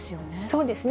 そうですね。